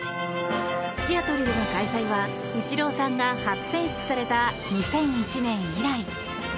シアトルでの開催はイチローさんが初選出された２００１年以来。